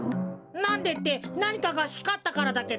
なんでってなにかがひかったからだけど。